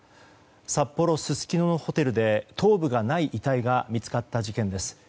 札幌すすきののホテルで頭部がない遺体が見つかった事件です。